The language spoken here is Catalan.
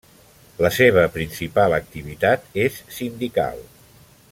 La seva principal activitat és sindical.